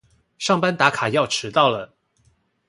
上班打卡要遲到了